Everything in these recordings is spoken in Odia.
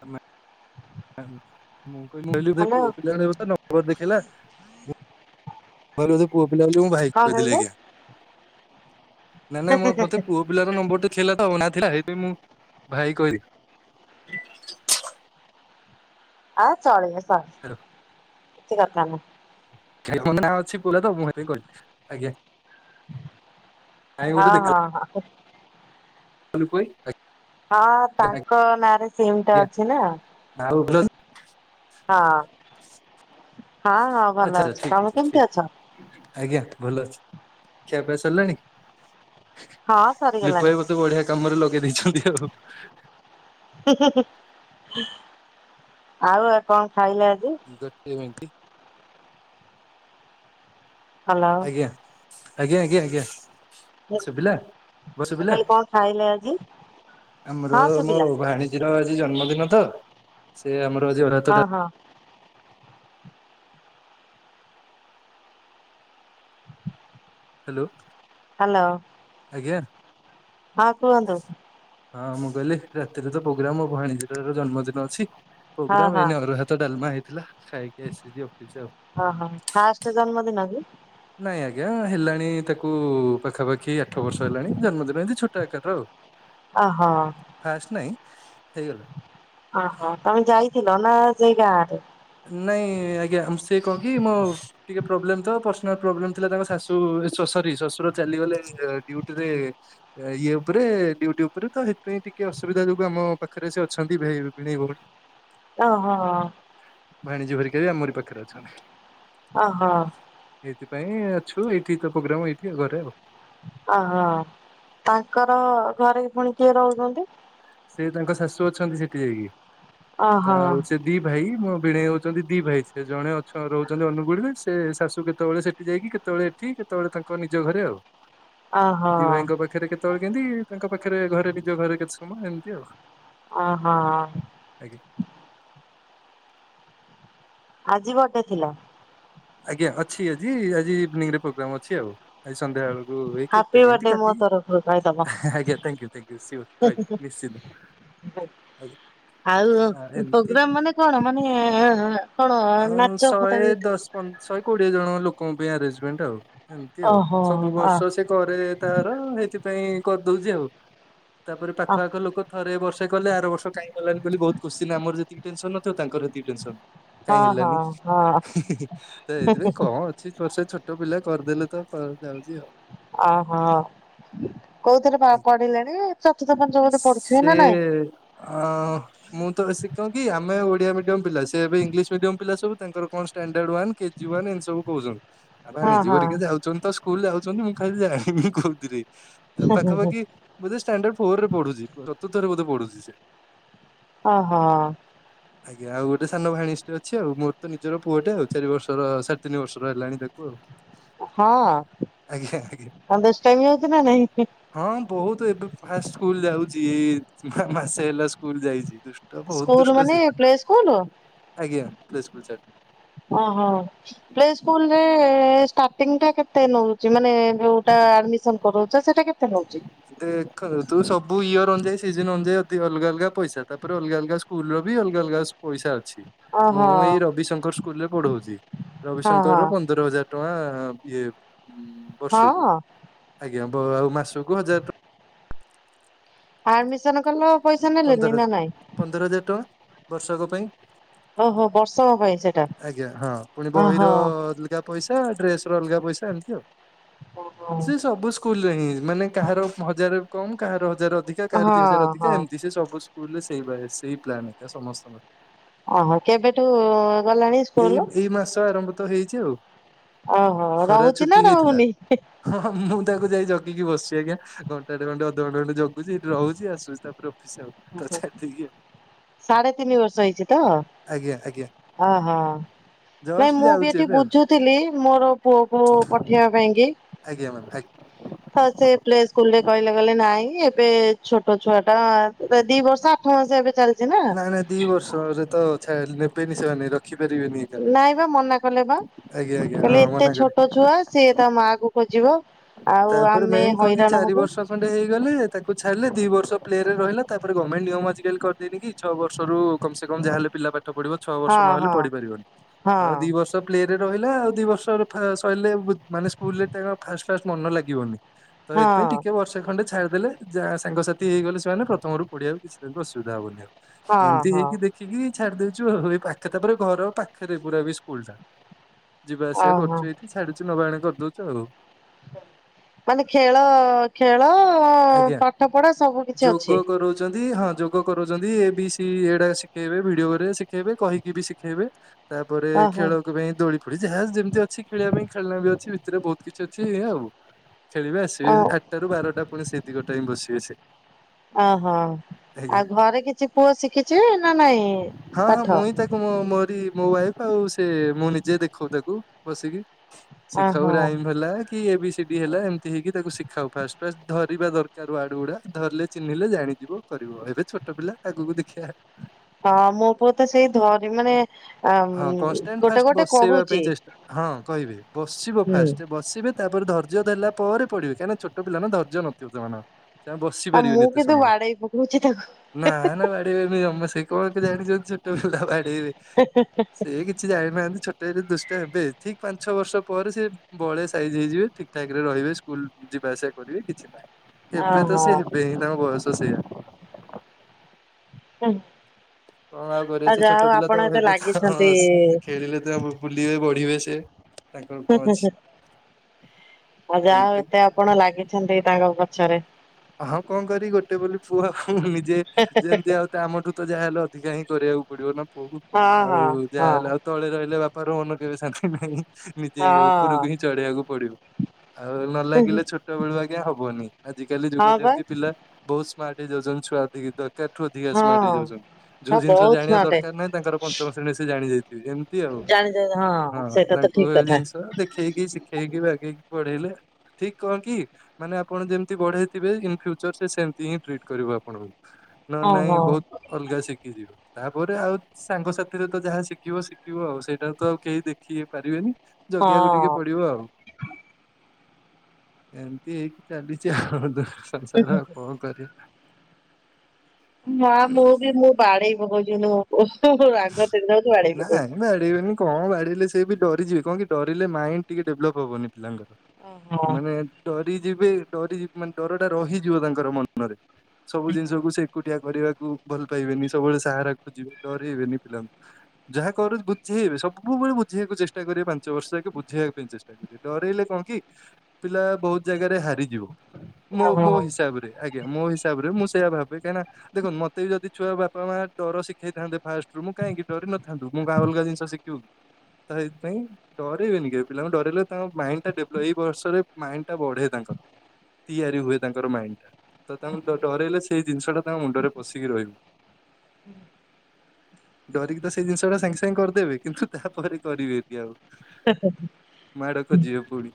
ତମେ ମୁଁ କହିଲି [unintelligible] ହ୍ୟାଲୋ ନମ୍ବର ଦେଖେଇଲା ମୁଁ ଭାବିଲି ବୋଧେ ପୁଅପିଲା ବୋଲି ମୁଁ ଭାଇକି କଣ କହିଦେଲି କହିଲେ ଆଜ୍ଞା। ନାଇଁ ନାଇଁ ମୋ ମତେ ପୁଅ ପିଲାଙ୍କ ନମ୍ବର ଟେ ଥିଲା ତ ନାଁ ଥିଲା ଏବେ ମୁଁ ଭାଇ କ ଆଉ ଚଳିବ ଥାଉ କିଛି ଦରକାର ନାହିଁ। [unintelligible] ନାଁ ଅଛି ପୁରା ତ ମୁଁ ସେଥିପାଇଁ କଲି ଆଜ୍ଞା। କାଇଁ ହଁ-ହଁ-ହଁ। ହଁ ଲିପୁ ଭାଇ ଆ ହଁ ତାଙ୍କ ନାଁରେ ସିମ୍ ଟା ଅଛି ନା। ଆଉ ଭଲ ହଁ। ହଁ ହଁ ଭଲ ଆଚ୍ଛା ଅଛି ଠିକ, ତମେ କେମିତି ଅଛ? ଠିକ୍ ଆଜ୍ଞା ଭଲ ଅଛି। ଖିଆପିଆ ସରିଲାଣି? ହଁ ଲିପୁ ସରିଗଲାଣି ଭାଇ ମତେ ବଢିଆ କାମରେ ଲଗେଇ ଦେଇଛନ୍ତି ଆଉ। ଆଉ ଆପଣ କ ଗୋଟେ ମିଣ୍ଟି। ହାଲୋ। ଆଜ୍ଞା ଆଜ୍ଞା, ଆଜ୍ଞା, ଆଜ୍ଞା ଶୁଭିଲା ମୋ ଶୁଭିଲା? କହିଲି କଣ ଖାଇଲେ ଆଜି ଆମର ହଁ ମୋ ଶୁଭିଲା ଭାଣୀଜୀର ଆଜି ଜନ୍ମଦିନ ତ, ସେ ଆମର ଆଜି ଅରୁଆ ଭାତ ଡାଲି ହଁ, ହଁ। ହ୍ୟାଲୋ। ହ୍ୟାଲୋ। ଆଜ୍ଞା ହଁ କୁହନ୍ତୁ। ହଁ ମୁଁ କହିଲି ରାତିରେ ତ ପୋଗ୍ରାମ୍, ମୋ ଭାଣୀଜୀର ଜନ୍ମଦିନ ଅଛି ହଁ ପ୍ରୋଗ୍ରାାମ ହଁ ଏଇନା ଅରୁଆ ଭାତ ଡାଲମା ହେଇଥିଲା। ଖାଇକି ଆସିଛି ଅଫିସ ଆଉ। ହଁ, ହଁ ଫାଷ୍ଟ ଜନ୍ମଦିନ କି? ନାଇଁ ଆଜ୍ଞା ହେଲାଣି ତାକୁ ପାଖାପାଖି ଆଠ ବର୍ଷ ହେଲାଣି, ଜନ୍ମଦିନ ଏମିତି ଛୋଟ ଆକାର ଆଉ। ଅ ହୋ। ଫାଷ୍ଟ ନାଇଁ ହେଇଗଲା। ଓହୋ ତମେ ଯାଇଥିଲ ନାଁ ସେଇ ଗାଁ ଆଡେ ନାଇଁ ଆଜ୍ଞା ସିଏ କଣ କି ମୋ ଟିକେ ପ୍ରୋବ୍ଲେମ୍ ତ ପର୍ସନାଲ୍ ପ୍ରୋବ୍ଲେମ୍ ଥିଲା ତାଙ୍କ ଶାଶୁ ଶ୍ୱାଶ ସରି ଶଶୁର ଚାଲିଗଲେ ଡିଉଟିରେ ଇଏ ଉପରେ ଡିଉଟି ଉପରେ ତ ସେଥିପାଇଁ ଟିକେ ଅସୁବିଧା ଯୋଗୁ ଆମ ପାଖରେ ସେ ଅଛନ୍ତି ଭିଣେଇ ଭଉଣୀ। ଓହୋ। ଭାଣୀଜୀ ଘରିକ ବି ଆମରି ପାଖରେ ଅଛନ୍ତି। ଓହୋ। ସେଇଥିପାଇଁ ଅଛୁ ଏଇଠି ତ ପ୍ରୋଗ୍ରାମ ଏଇଠି ଘରେ ଆଉ। ଓହୋ ତାଙ୍କର ଘରେ ପୁଣି କିଏ ରହୁଛନ୍ତି? ସେ ତାଙ୍କର ଶାଶୁ ଅଛନ୍ତି ସେଠି ଯାଇକି। ଓହୋ ଆ ଆଉ ସେ ଦି ଭାଇ ମୋ ବଣେଇ ହଉଛନ୍ତି ଦି ଭାଇ ସେ ଜଣେ ଅଛ ରହୁଛନ୍ତି ଅନୁଗୁଳରେ ସେ ଶାଶୁ କେତେବେଳେ ସେଠି ଯାଇକି କେତେବେଳେ ଏଠି କେତେବେଳେ ତାଙ୍କ ନିଜ ଘରେ ଆଉ। ଅ ହ। ଦି ଭାଇଙ୍କ ପାଖରେ କେତେବେଳେ କେମିତି ତାଙ୍କ ପାଖରେ ଘରେ ନିଜ ଘରେ କେତେ ସମୟ ଏମିତି ଆଉ। ଓହୋ। ଆଜ୍ଞା। ଆଜି ବର୍ଥଡେ ଥିଲା ଆଜ୍ଞା ଅଛି ଆଜି ଆଜି ଇଭିନିଂରେ ପ୍ରୋଗ୍ରାମ ଅଛି ଆଉ ଆଜି ସନ୍ଧ୍ୟାବେଳକୁ ଓ ଏକ ହାପି ବର୍ଥଡେ ମୋ ତରଫରୁ କହିଦବ। [unintelligible] ଆଜ୍ଞା thank you thank you sure ରହିଲି ନିଶ୍ଚିନ୍ତ। ଆଜ୍ଞା। [inaudible] ଆଉ ଏମିତି ପୋଗ୍ରାମ ମାନେ କଣ ମାନେ କଣ ଅଁ, ନାଚ ଶହେ [unintelligible] ଦଶ ପନ୍- ଶହେ କୋଡିଏ ଜଣ ଲୋକଙ୍କ ପାଇଁ ଆରେଜମେଣ୍ଟ ଆଉ ଏମତି ଆଉ ଓହୋ ସବୁ ଅ ବର୍ଷ ସେ କରେ ତାର ହେଇଥିପାଇଁ କରିଦଉଛି ଆଉ। ତାପରେ ଅ ପାଖଆଖ ଲୋକ ଥରେ ବଷ [unintelligible] କଲେ ଆର ବର୍ଷ କାଇଁ କଲେନି ବୋଲି ବହୁତ କୋଷ୍ଚିନ ଆମର ଯେତିିକି ଟେନସନ୍ ନଥିବ ତାଙ୍କର ସେତିକ ଟେନସନ୍। କାହିଁ ହଁ ହେଲାନି ହିଁ ହଁ ହଁ ହିଁ ହିଁ। ଏଇଥି ପାଇଁ କଣ ଅଛି ବର୍ଷେ ଛୋଟ ପିଲା କରିଦେଲେ ତ ଯାଉଛି ଆଉ। ଅ ହ। କୋଉ ଥରେ ପା ପଢିଲେଣି ଚତୁର୍ଥ ପଞ୍ଚମରେ ପଢୁଥିବେ ସେ ନା ନାଇଁ। ଅ ମୁଁ ତ ସେ କଣ କି ଆମେ ଓଡିଆ ମିଡିୟମ ପିଲା ସେ ଏବେ ଇଂଲିଶ ମିଡିୟମ ପିଲା ସବୁ ତାଙ୍କର କଣ ଷ୍ଟାନ ଷ୍ଟାଣ୍ଡାର୍ଡ ୱାନ୍ କେଜି ୱାନ୍ ଏନ୍ତି ସବୁ କହୁଛନ୍ତି ହଁ ଭାଣିଜୀ ହଁ ଘରିକା ଯାଉଛନ୍ତି ତ ସ୍କୁଲ ଆଉ। [unintelligible] ମୁଁ ଖାଲି ଜାଣିନି କୋଉଥିରେ ପାଖାପାଖି ବୋଧେ ଷ୍ଟାଣ୍ଡାର୍ଡ ଫୋର ରେ ପଢୁଛି ଚତୁର୍ଥରେ ବୋଧେ ପଢୁଛି ସେ। ଅ ହ। ଆଜ୍ଞା ଆଉ ଗୋଟେ ସାନ ଭାଣିଜୀଟେ ଅଛି ଆଉ ମୋର ତ ନିଜର ପୁଅଟେ ଆଉ। ଚାରି ବର୍ଷର ସାଢ଼ତିନି ବର୍ଷର ହେଲାଣି ତାକୁ ଆଉ ହଁ ଆଜ୍ଞା ଆଜ୍ଞା। [unintelligible] ଟାଇମ ହେଇଛି ନା ନାଇଁ ହଁ ବହୁତ ଏବେ ଫାଷ୍ଟ ସ୍କୁଲ ଯାଉଛି ଏଇ ମାସେ ହେଲା ସ୍କୁଲ ଯାଇଚି। ଦୁଷ୍ଟ ବହୁତ ସ୍କୁଲ ଦୁଷ୍ଟ ମାନେ ସେ ପ୍ଲେ ସ୍କୁଲ? ଆଜ୍ଞା ପ୍ଲେ ସ୍କୁଲ ଛାଡ଼ି ଓହୋ ପ୍ଲେ ସ୍କୁଲରେ ଷ୍ଟାର୍ଟିଂଟା କେତେ ନଉଛି ମାନେ ଯୋଉଟା ଆଡ଼ମିଶନ କରଉଚ ସେଟା କେ ଦେଖନ୍ତୁ ସବୁ ଇଅର ଅନୁଯାୟୀ ସିଜନ ଅନୁଯାୟୀ ଅତି ଅଲଗ ଅଲଗା ପଇସା ତାପରେ ଅଲଗା ଅଲଗା ସ୍କୁଲର ବି ଅଲଗା ଅଲଗା ପଇସା ଅଛି। ଓହୋ ମୁଁ ଏଇ ରବିଶଙ୍କର ସ୍କୁଲରେ ପଢଉଚି ହଁ ହଁ ରବିଶଙ୍କର ପନ୍ଦର ହଜାର ଟଙ୍କା। ଇଏ ହଁ। ବର୍ଷକୁ ଆଜ୍ଞା ବ ଆଉ ମାସକୁ ହଜାର ଟ ଆଡ଼ମିଶନ କଲେ। ପନ୍ଦର ହଜା ପନ୍ଦର ହଜାର ଟଙ୍କା ବର୍ଷକ ପାଇଁ। ଓହୋ ବର୍ଷକ ପାଇଁ ସେଟା ଆଜ୍ଞା ହଁ, ପୁଣି ଓହୋ ବହିର ଅଲଗା ପଇସା ଡ୍ରେସ ର ଅଲଗା ପଇସା ଏମତି ଆଉ ଓ ହୋ କୁଲରେ ହିଁ ମାନେ କାହାର ହଜାରେ କମ୍, କାହାର ହଜାରେ ଅଧିକା, କାହାର ଦି ହଜାରେ ହଁ ଅଧିକା, ହଁ ଏମତି ସବୁ ସ୍କୁଲରେ ସେଇ ବା ସେଇ ପ୍ଲାନ ଏଇଟା ସମସ୍ତଙ୍କର ଓହୋ କେବେଠୁ? ଗଲାଣି ସ୍କୁଲ? ଏଇ ଏଇ ମାସ ଆରମ୍ଭ ତ ହେଇଛି ଆଉ ଓହୋ ଖରା ରହୁଚି ନା ଛୁଟି ହେଇଥିଲା ରହୁନି? ହଁ ମୁଁ ତାକୁ ଯାଇ ଜ ଗିକି ବସିଛି ଆଜ୍ଞା, ଘଣ୍ଟାଟେ ଖଣ୍ଡେ ଅଧଘଣ୍ଟେ ଖଣ୍ଡେ ଜଗୁଛି ସେଠି ରହୁଛି ଆସୁଛି ତାପରେ ଅଫିସ ଆଉ ତ ଛାଡିଦେଇକି [unintelligible] ଆଉ ସାଢେ ତିନି ବର୍ଷ ହେଇଛି ତ ଆଜ୍ଞା ଆଜ୍ଞା ଅ ହୋ ଜଷ୍ଟ ନାଇଁ ମୁଁ ବି ଯାଉଛି ଏଠି ଏବେ ଆଉ ବୁଝୁଥିଲି, ମୋର ପୁଅକୁ ପଠେଇବା ପାଇଁ କି ଆଜ୍ଞା, ମାଡାମ୍ ଆଗ୍ ସ୍କୁଲରେ କହିଲେ, କହିଲେ ନାଇଁ ଏବେ ଛୋଟ ଛୁଆଟା ଦି ବର୍ଷ ଆଠ ମାସ ଏବେ ଚାଲି ନାଇଁ ନାଇଁ ଦି ବର୍ଷ ରେ ତ ଛା ନେବେନି ସେମାନେ ତ। ନାଇଁ ବା ମନା କଲେ ବା ଆଜ୍ଞା ଆଜ୍ଞା ହଁ କହିଲେ ଏତେ ମନା କରିବି ଛୋଟ ଛୁଆ ସିଏ ତା ମା କୁ ଖୋଜିବ। ଆଉ ତାପରେ ଆମେ ମେନ୍ କଣ କି ହଇରାଣ ଚାରି ହବୁ ବର୍ଷ ଖଣ୍ଡେ ହେଇଗଲେ ତାକୁ ଛାଡିଲେ ଦି ବର୍ଷ ପ୍ଲେ ରେ ରହିଲା ତାପରେ ଗମେଣ୍ଟ ନିୟମ ଆଜିକାଲି କରିଦେଇନି କି ଛଅ ବର୍ଷରୁ କମ୍ ସେ କମ୍ ଯାହାହଲେ ପିଲା ପାଠ ପଢିବ ଛଅ ବର୍ଷ ହଁ ନହେଲେ ହଁ ପଢିପାରିବନି, ହଁ ତ ଦି ବର୍ଷ ପ୍ଲେ ରେ ରହିଲା ଆଉ ଦି ବର୍ଷ ସଇଲେ ମାନେ ସ୍କୁଲ ରେ ଖାଇବା ଫାଷ୍ଟ ଫାଷ୍ଟ ମନ ଲାଗିବନି ତ ହଁ ଏଥିପାଇଁ ଟିକେ ବର୍ଷେ ଖଣ୍ଡେ ଛା ଡି ଦେଲେ ଯାହା ସାଙ୍ଗସାଥି ହେଇଗଲେ ସେମାନେ ପ୍ରଥମରୁ ପଢ଼ିବା କୁ କିଛି ତାଙ୍କୁ ଅସୁବିଧା ହବନି ଆଉ। ହଁ ଏମତି ହଁ ହେଇକି ଦେଖିକି ଛାଡି ଦେଉଛୁ ଆଉ ଏ ପାଖରେ ତାପରେ ଘର ପାଖରେ ପୁରା ବି ସ୍କୁଲ ଟା। ଯିବା ଆସିବା ଓହୋ କରୁଛୁ ଏଇଠି ଛାଡୁଚୁ ନବା ଆଣିବା କରିଦଉଛୁ ଆଉ। ମାନେ ଖେଳ, ଖେଳ ଆଜ୍ଞା ପାଠ ପଢା ସବୁ କିଛି ଯୋଗ ଅଛି କରଉଛନ୍ତି ହଁ ଯୋଗ କରଉଛନ୍ତି ଏ ବି ସି ଏଇଟା ଶିଖେଇବେ ଭିଡିଓ ରେ ଶିଖେଇବେ କହିକି ବି ଶିଖେଇବେ। ତାପରେ ଓହୋ ଖେଳକୁ ପାଇଁ ଦୋଳି ଫୋଳି ଯାହା ଯେମିତି ଅଛି ଖେଳିବା ପାଇଁ ଖେଳନା ବି ଅଛି ଭିତରେ ବହୁତ କିଛି ଅଛି ଏଇଆ ଆଉ। ଖେଳିବେ ଆସିବେ ଆଠଟା ରୁ ବାରଟା ପୁଣି ସେତିକ ଟାଇମ ବସିବେ ସେ। ଅ ହୋ। ଆଜ୍ଞା ଆଉ ଘରେ କିଛି ପୁଅ ଶିଖିଚି ନା ନାଇଁ, ପାଠ। ବି ମୋ ୱାଇଫ ଆଉ ସେ ମୁଁ ନିଜେ ଦେଖଉ ତାକୁ ବସିକି। ଶିଖାଉ ଓହୋ ରାଇମ ହେଲା କି ଏ ବି ସି ଡି ହେଲା ଏମିତି ହେଇକି ତାକୁ ଶିଖାଉ ଫାଷ୍ଟ ଫାଷ୍ଟ ଧରିବା ଦରକାର ୱାର୍ଡ ଗୁଡା ଧରିଲେ ଚିହ୍ନିଲେ ଜାଣିଯିବ କରିବ ଏବେ ଛୋଟ ପିଲା ଆଗକୁ ଦେଖିଆ ହୁଁ। ହଁ ମୋ ପୁଅ ତ ସେଇ ଧରି ମାନେ ଆମ୍ ହଁ କନଷ୍ଟାଣ୍ଟ ଗୋଟେ ଫାଷ୍ଟ ଗୋଟେ ବସେଇବା ପାଇଁ କହୁଚି। ଚେଷ୍ଟା ହଁ କହିବେ ବସିବ ଫାଷ୍ଟ ବସିବେ, ତାପରେ ଧର୍ଯ୍ୟ ଧଇଲା ପରେ ପଢିବେ କାଇଁନା ଛୋଟ ପିଲା ନା ଧର୍ଯ୍ୟ ନଥିବ ସେମାନଙ୍କ ସେ ଆଉ ବସି ପାରିବେନି ମୁଁ ଏତେ କିନ୍ତୁ ସମୟ। ବାଡେଇ ପକଉଛି ତାକୁ ନା ନା ବାଡ଼ି ଫାଡି ଜମା ସେ କଣ ଏତେ ଜାଣିଛନ୍ତି ଛୋଟ ବାଡ଼େଇବେ ସେ କିଛି ଜାଣିନାହାନ୍ତି ଛୋଟରେ ଦୁଷ୍ଟ ହେବେ ଠିକ ପାଞ୍ଚ ଛଅ ବର୍ଷ ପରେ ସେ ବଳେ ସାଇଜ୍ ହେଇଯିବେ ଠିକ ଠାକରେ ରହିବେ, ସ୍କୁଲ ଯିବା ଆସିବା କରିବେ କିଛି ନାହିଁ। ଏବେ ତ ଓହୋ। ସିଏ ହେବେ ହେ ତାଙ୍କ ବୟସ ସେଇଆ। [inaudible] କଣ ଆଉ କରିବେ ସେ ଯାହା ଛୋଟ ହଉ ପିଲା ଆପଣ ତ ଏତେ ହେବେ ତ ହଁ ଲାଗିଛନ୍ତି ସେ ଖେଳିଲେ ଯେତେ ବୁଲିବେ ବଢିବେ ସ ଆଉ ଯାହା ହଉ ସେଇଥିପାଇଁ ଏତେ ଆପଣ ଲାଗିଛନ୍ତି ତାଙ୍କ ପ ଛରେ। ହଁ କଣ କରିବି ଗୋଟେ ବୋଲି ପୁଅ ହୁଁ-ହୁଁ ନିଜେ ଯେମତି ଆଉ ଆମଠୁ ତ ଯାହାହେଲେ ଅଧିକା ହିଁ କରିବାକୁ ପଡିବ ନା ପୁଅ କୁ ହଁ ଆଉ ହଁ ଯାହାହେଲେ ହଁ ଆଉ ତଳେ ରହିଲେ ବାପାର ମନ କେବେ ଶାନ୍ତି ନାହିଁ। ନିଜେ ହଁ ଉପରକୁ ହିଁ ଚଢେଇଆକୁ ପଡିବ। ଆଉ ନ ଲାଗିଲେ ଛୋଟ ବେଳୁ ଆଜ୍ଞା ହବନି ଆଜି ଯୁଗ ହଁ ବା ଯେମିତି ପିଲା ବହୁତ ସ୍ମାର୍ଟ ହେଇ ଯାଉଛନ୍ତି ଛୁଆ ଦିକ ଦର କାର ଠୁ ଅଧିକ ସ୍ମାର୍ଟ ହେଇ ହଁ। ଯାଉଛନ୍ତି, ଯୋଉ ହଁ ଜିନିଷ ବହୁତ ଜାଣିବା ସ୍ମାର୍ଟ ଦରକାର ନାହିଁ ତାଙ୍କର ପଞ୍ଚମ ଶ୍ରେଣୀରେ ସେ ଜାଣି ଯାଇଥିବେ। ଏମତି ଆଉ ଜାଣିଛ ହଁ ସେଇଟା ତ ତାଙ୍କୁ ଠିକ ହେ କଥା ଜିନିଷ ଦେଖେଇକି ଶିଖେଇକି ବାଗେଇକି ପଢେଇଲେ ଠିକ କଣ କି ମାନେ ଆପଣ ଯେମ ତି ବଢେଇଥିବେ ଇନ ଫ୍ୟୁଚର ସେ ସେମତି ହିଁ ଟ୍ରିଟ କରିବ ଆପଣଙ୍କୁ। ନହେଲେ ହଁ ନାଇଁ ହଁ। ବହୁତ ଅଲଗା ଶିଖିଯିବ। ତାପରେ ଆଉ ସାଙ୍ଗ ସାଥିରେ ତ ଯାହା ଶିଖିବ ଶିଖିବ ଆଉ ସେଇଟା ତ ଆଉ କେହି ଦେଖି ପାରିବେନି। ଜଗିଆକୁ ଟିକେ ହଁ। ପଡିବ ଆଉ, ଏମତି ହେଇକି ଚାଲି ଚି ସଂସାର ଆଉ କଣ କରିବା। ମା ମୁଁ ବି ମୁଁ ବାଡେଇ ପକଉଛି ମୋ ପୁଅକୁ ରାଗ ଚିଡିଲା ବେଳକୁ ବାଡେଇ ନାଇଁ ପକଉଛି। ବାଡେଇବେନି କଣ ବାଡିଲେ ସେ ବି ଡରି ଯିବେ କଣ କି ଡରିଲେ ମାଇଣ୍ଡ ଟିକେ ଡେଭଲପ ହବନି ପିଲାଙ୍କର। ଓହୋ ମାନେ ଡରିଯିବେ ଡରି ମାନେ ଡରଟା ରହିଯିବ ତାଙ୍କର ମନ ରେ। ସବୁ ଜିନିଷକୁ ସେ ଏକୁଟିିଆ କରିବାକୁ ଭଲ ପାଇବେନି ସବୁବେଳେ ସାହାରା ଖୋଜିବେ ଡରିବେନି। ପିଲାଙ୍କୁ ଯାହା କରୁଛି ବୁଝେଇବେ ସବୁବେଳେ ବୁଝେଇିବାକୁ ଚେଷ୍ଟା କରିବେ ପାଞ୍ଚ ବର୍ଷ ଯାକେ ବୁଝେଇିବାକୁ ପାଇଁ ଚେଷ୍ଟା କରିବେ। ଡରେଇଲେ କଣ କି ପିଲା ବହୁତ ଜାଗାରେ ହାରିଯିବ ମୋ ଓହୋ। ମୋ ହିସାବ ରେ ଆଜ୍ଞା ମୋ ହିସାବ ହିସାବରେ ମୁଁ ସେଇା ଆ ଭାବେ କାହିଣା ଦେଖନ୍ତୁ ମତେ ବି ଯଦି ଛୁଆ ବାପା ମା ଡର ଶିଖେଇ ଥାନ୍ତେ ଫାଷ୍ଟ ମୁଁ କାହିଁକି ଡରି ନଥାନ୍ତୁ। ମୁଁ ଗାଁ ଅଲଗା ଜିନିଷ ଶିଖିବୁ କି ତ ସେଥିପାଇଁ ଡରେଇବେନି କେବେ ପିଲାଙ୍କୁ ଡରିଲଲେ ତାଙ୍କ ମାଇଣ୍ଡ ଟା ଡେଭ୍ଲପ ଏଇ ବର୍ଷରେ ମାଇଣ୍ଡ ଟା ବଢେ ତାଙ୍କ [inaudible] ତିଆରି ହୁଏ ତାଙ୍କର ମାଇଣ୍ଡ ଟା ତ ତାଙ୍କୁ ଡରେଇଲେ ସେଇ ଜିନିଷଟା ତାଙ୍କ ମୁଣ୍ଡରେ ପଶିକି ରହିବ ହୁଁ ଡରିକି ତ ସେଇ ଜିନିଷଟା ସାଙ୍ଗେ ସାଙ୍ଗେ କରିଦେବେ କିନ୍ତୁ, ତାପରେ କରିବେନି ଆଉ। ମାଡ ଖୋଜିବେ ପୁଣି।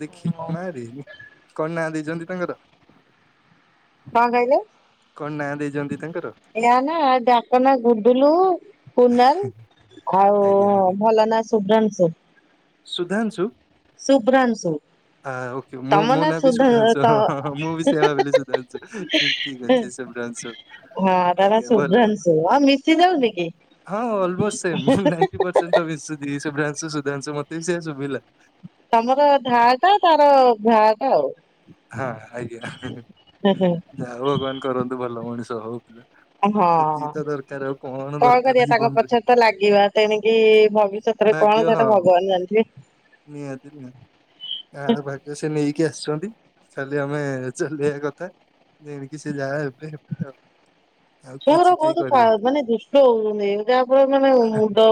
ଦେଖି ମାରି। କଣ ନାଁ ଦେଇଛନ୍ତି ତାଙ୍କର? କଣ କହିଲେ? କଣ ନାଁ ଦେଇଛନ୍ତି ତାଙ୍କର? ନାଁ ନାଁ, ଡାକ ନାଁ ଗୁଡୁଲୁ କୁନାଲ ଆଉ ଆଜ୍ଞା ଆଜ୍ଞା ଭଲ ନା ଶୁଭ୍ରାଂଶୁ। ସୁଧାଂଶୁ? ଶୁଭ୍ରାଂଶୁ ହଁ ଓକେ, ମୁଁ ତମ ମୋ ନା ବି ସୁଧ ସୁଧାଂଶୁ ତ ହଁ ହଁ ହଁ, ମୁଁ ବି ସେଇଆ ଭାବିଲି ସୁଧାଂଶୁ ଠିକ ଠିକ ଅଛି। ଶୁଭ୍ରାଂଶୁ। ହଁ ତା ନାଁ ଆଜ୍ଞା ଭଲ ନା। ଶୁଭ୍ରାଂଶୁ। ଆଉ ମିଶି ଯାଉନି କି। ହଁ ଅଲ୍ମୋଷ୍ଟ ସେମ୍ ନାଇଣ୍ଟି ପରସେଣ୍ଟ ତ ମିଶୁଚି ଶୁଭ୍ରାଂଶୁ- ସୁଧାଂଶୁ ମତେ ବି ସେଇଆ ସୁଭିଲା। ତମର ଧା ଟା ତାର ଭ୍ରା ଟା ଆଉ। ହଁ ଆଜ୍ଞା। ଯାହା ହଉ ଭଗବାନ କରନ୍ତୁ ଭଲ ମଣିଷ ହଉ। [unintelligible] ସେତିକି ହଁ, ତ ଦରକାର ଆଉ କଣ ଦରକାର କରିବା ତାଙ୍କ ଜୀବନରେ ପଛରେ ତ ଲାଗିବା ତେଣିକି ଭବିଷ୍ୟତରେ ଭାଗ୍ୟ କଣ ହଁ ସେଟା ଭଗବାନ ଜାଣିଥିବେ। ନିହାତି ନିହାତି ଆଉ ଭାଗ୍ୟ ସେ ନେଇକି ଆସିଛନ୍ତି ଖାଲି ଆମେ ଚାଲିବା କଥା ତେଣିକି ସେ ଯାହା ହେବେ ହେବେ ଆଉ। ଆଉ ଛୁଆଗୁରା କିଛି କେହି ବହୁତ କ କରିବେ ମାନେ ଦୁଷ୍ଟ ହଉଛନ୍ତି। ଜା ଫଳରେ ମାନେ ମୁଣ୍ଡ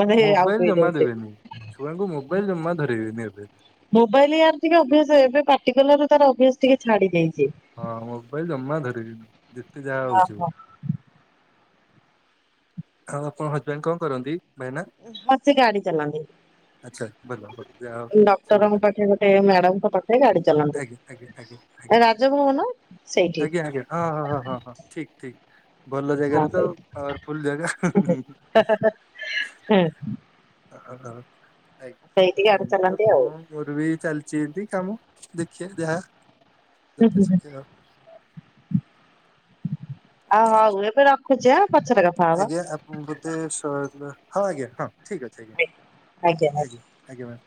ମାନେ ଆଉଟୁ ମୋବାଇଲ ହେଇ ଜମା ଯାଉଛି। ଦେବେନି। ଛୁଆଙ୍କୁ ମୋବାଇଲ ଜମା ଧରାଇବେନି ଏବେ ମୋବାଇଲ ୟାର ଟିକେ ଅଭ୍ୟାସ ଏବେ ପାଟିକଲାରୁ ତାର ଅଭ୍ୟାସ ଟିକେ ଛାଡିଯାଇ ହଁ, ମୋବାଇଲ ଜମା ଧରେଇବେନି ଯେତେ ଯାହା ହଉଛି ହଉ। ହଁ ଆଉ ଆପଣଙ୍କ ହଜବେଣ୍ଡ କଣ କରନ୍ତି? ଭାଇନା ହଁ, ସେ ଗାଡ଼ି ଚଲାନ୍ତି। ଆଚ୍ଛା ଭଲ ଭଲ ଯାହା ହଉ ସୁବିଧା ଡ଼କ୍ଟରଙ୍କ ପାଖେ ଗୋଟେ ମ୍ୟାଡାମଙ୍କ ପାଖ ଗାଡି ଚଲାନ୍ତି। ଆଜ୍ଞା ଆଜ୍ଞା ଆଜ୍ଞା ଆଜ୍ଞା। ରାଜଭବନ ସେଇଠି। ଆଜ୍ଞା ଆଜ୍ଞା ହଁ ହଁ ହଁ ହଁ ହଁ ଠିକ ଠିକ ଭଲ ହଁ ଜାଗାରେ ତ ଆଉ ସେଇଠି ପାୱାରଫୁଲ ଜାଗା। ହୁଁ ଓହୋ ଆଜ୍ଞା, ସେଇଠି ଗାଡି ଏମତି ଆଉ ଚଲାନ୍ତି କଣ ମୋର ବି ଚାଲିଛି ଏମତି କାମ। ଦେଖିବା ଯାହା ଦୁଃଖେ ସୁଖେ ଆଉ। ଆ ହଉ ଏବେ ରଖୁଛି ଆଁ? ପଛରେ କଥା ହବା ଆଜ୍ଞା ଆ ବୋଧେ, ସ ହଁ ଆଜ୍ଞା ହଁ। ଠିକ୍ ଅଛି ଆଜ୍ଞା। ଆଜ୍ଞା ଆଜ୍ଞା ମ୍ୟାମ।